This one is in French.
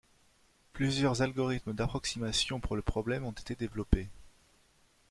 Plusieurs algorithmes d'approximation pour le problème ont été développés.